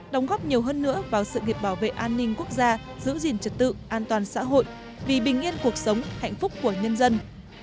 đóng góp nhiều hơn nữa vào sự nghiệp bảo vệ an ninh quốc gia giữ gìn trật tự an toàn xã hội vì bình yên cuộc sống hạnh phúc của nhân dân